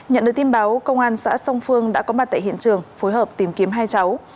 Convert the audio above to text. nhận được tin báo công an xã song phương đã có mặt tại hiện trường phối hợp tìm kiếm hai cháu